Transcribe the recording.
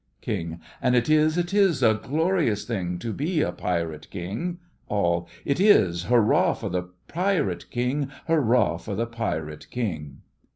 KING: And it is, it is a glorious thing To be a Pirate King. ALL: It is! Hurrah for the Pirate King! Hurrah for the Pirate King!